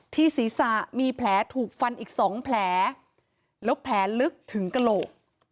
ศีรษะมีแผลถูกฟันอีกสองแผลแล้วแผลลึกถึงกระโหลก